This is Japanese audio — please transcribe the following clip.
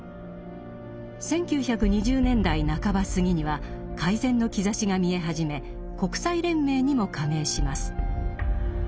１９２０年代半ばすぎには改善の兆しが見え始め国際連盟にも加盟します。